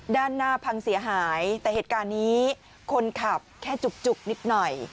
ด้านหน้าพังเสียหายแต่เหตุการณ์นี้คนขับแค่จุกนิดหน่อย